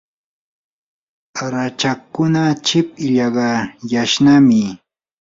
rachakkuna chip illaqayashqanami.